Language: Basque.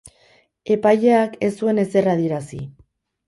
Epaileak ez zuen ezer adierazi.